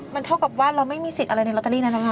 มันเท่ากับว่าเราไม่มีสิทธิ์อะไรในลอตเตอรี่นั้นนะคะ